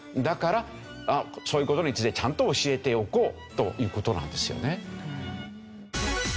だからそういう事についてちゃんと教えておこうという事なんですよね。